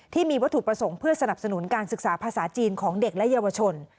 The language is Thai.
ที่มีวัตถุประสงค์เพื่อสนับสนุนการศึกษาภาษาจีนของเด็กและเยาวชน